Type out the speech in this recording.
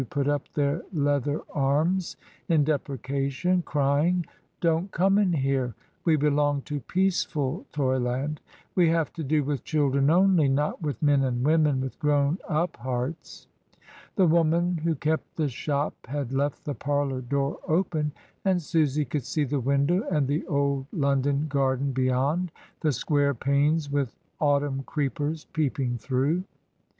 285 put up their leather arms in deprecation, crying, "Don't come in here, we belong to peaceful toy land, we have to do with children only, not with men and woman with grown up hearts." The woman who kept the shop had left the parlour door open, and Susy could see the window and the old London garden beyond, the square panes with autumn creepers peeping through.